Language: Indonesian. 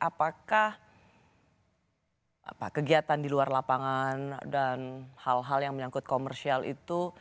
apakah kegiatan di luar lapangan dan hal hal yang menyangkut komersial itu